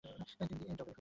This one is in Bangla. তিনি ডাবলিনে ফিরে আসলেন।